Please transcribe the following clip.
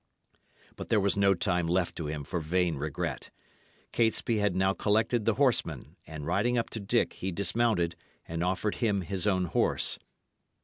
But there was no time left to him for vain regret. Catesby had now collected the horsemen, and riding up to Dick he dismounted, and offered him his own horse.